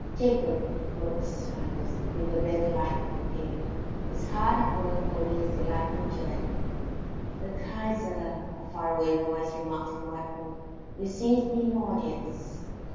"Jacob," wrote Mrs. Flanders, with the red light on her page, "is hard at work after his delightful journey..." "The Kaiser," the far away voice remarked in Whitehall, "received me in audience."